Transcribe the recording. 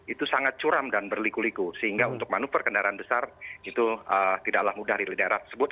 itu sangat curam dan berliku liku sehingga untuk manuver kendaraan besar itu tidaklah mudah dari daerah tersebut